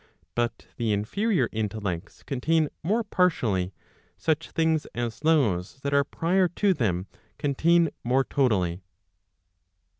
But the inferior intellects contain more partially, such things as those that are prior to them contain more totally.